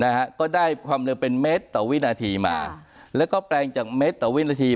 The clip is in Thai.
นะฮะก็ได้ความเร็วเป็นเมตรต่อวินาทีมาแล้วก็แปลงจากเมตรต่อวินาที